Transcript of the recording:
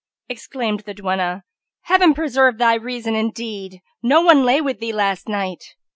Exclaimed the duenna, "Heaven preserve thy reason! indeed no one lay with thee last night."